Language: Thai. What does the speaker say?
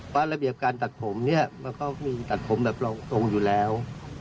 ระเบียบการตัดผมเนี่ยมันก็มีตัดผมแบบรองทรงอยู่แล้ว